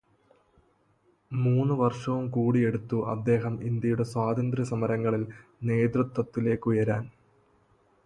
മൂന്നു വർഷവും കൂടിയെടുത്തു അദ്ദേഹം ഇന്ത്യയുടെ സ്വാതന്ത്ര്യസമരങ്ങളിൽ നേതൃത്വത്തിലേയ്ക്ക് ഉയരാൻ.